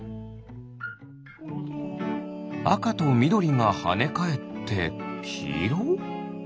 あかとみどりがはねかえってきいろ？